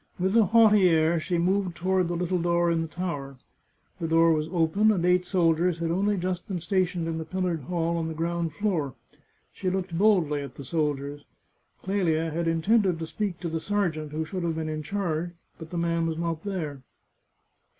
With a haughty air she moved toward the little door in the tower. The door was open, and eight soldiers had only just been stationed in the pillared hall on the ground floor. She looked boldly at the soldiers. Clelia had intended to speak to the sergeant who should have been in charge, but the man was not there.